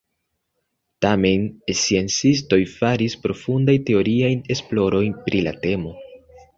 Tamen sciencistoj faris profundajn teoriajn esplorojn pri la temo.